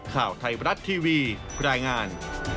ข่าวไทยบรัฐทีวีรายงาน